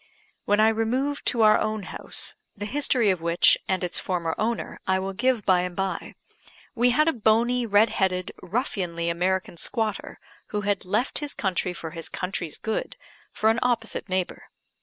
When I removed to our own house, the history of which, and its former owner, I will give by and by, we had a bony, red headed, ruffianly American squatter, who had "left his country for his country's good," for an opposite neighbour.